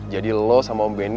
jadi lo sama om benny